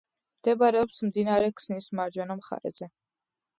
მდებარეობს მდინარე ქსნის მარჯვენა მხარეზე.